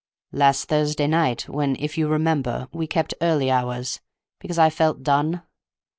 "Last Thursday night, when, if you remember, we kept early hours, because I felt done.